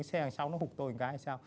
cái xe hàng sau nó hụt tôi một cái hay sao